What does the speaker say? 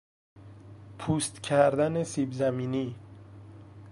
پوست کردن سیب زمینی